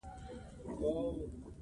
جسماني محرکات ئې انرجي ډرنکس ،